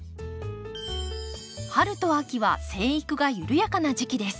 春と秋は生育が緩やかな時期です。